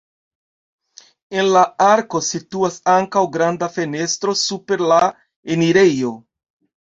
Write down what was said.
En la arko situas ankaŭ granda fenestro super la enirejo.